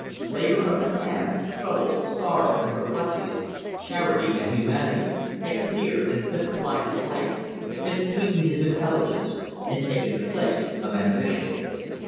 Labour of the hand, trouble, sorrow, and perplexity, charity and humanity, had cleared and simplified his life, had sweetened his intelligence, and taken the place of ambition.